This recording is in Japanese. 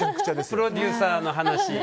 プロデューサーの話。